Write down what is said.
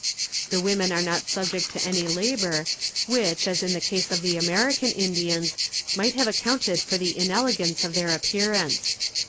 The women are not subject to any labour, which, as in the case of the American Indians, might have accounted for the inelegance of their appearance.